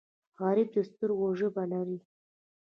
غریب د سترګو ژبه لري